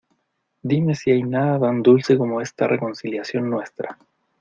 ¡ dime si hay nada tan dulce como esta reconciliación nuestra!